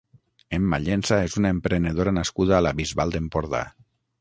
Emma Llensa és una emprenedora nascuda a la Bisbal d'Empordà.